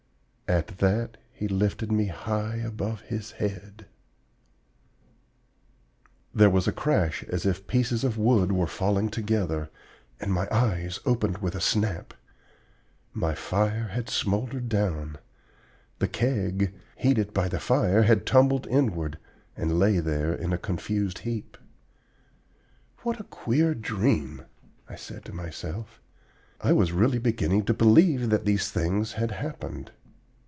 At that he lifted me high above his head " There was a crash as if pieces of wood were falling together and my eyes opened with a snap. My fire had smoldered down. The Keg, heated by the fire, had tumbled inward, and lay there in a confused heap. "What a queer dream," I said to myself. I was really beginning to believe that these things had happened.